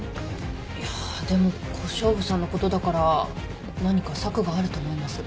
いやでも小勝負さんのことだから何か策があると思います。